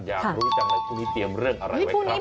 อยากรู้จังเลยช่วงนี้เตรียมเรื่องอะไรไว้ครับ